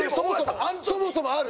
そもそもある？